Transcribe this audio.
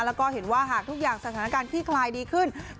แล้วก็เห็นว่าหากทุกอย่างสถานการณ์คลี่คลายดีขึ้น